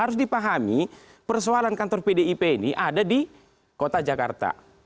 harus dipahami persoalan kantor pdip ini ada di kota jakarta